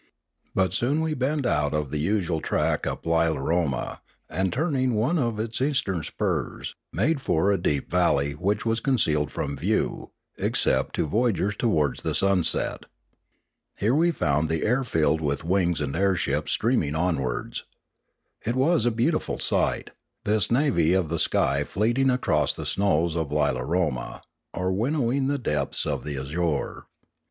But soon we bent out of the usual track up Lilaroma, and turning one of its western spurs, made for a deep valley which was concealed from view, except to voy agers towards the sunset. Here we found the air filled 419 420 Limanora with wings and airships streaming onwards. It was a beautiful sight, this navy of the sky fleeting across the snows of Lilaroma, or winnowing the depths of the azure.